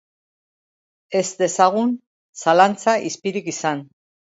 Ez dezagun zalantza izpirik izan.